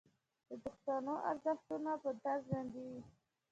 د پښتنو ارزښتونه به تل ژوندي وي.